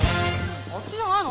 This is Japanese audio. あっちじゃないの？